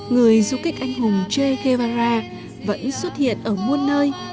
người du kích anh hùng che guevara vẫn xuất hiện ở muôn nơi